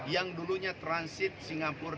yang dulunya transit singapura